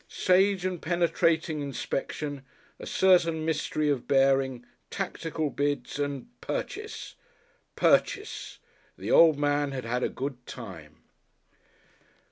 Sage and penetrating inspection, a certain mystery of bearing, tactical bids and Purchase! Purchase! the old man had had a good time.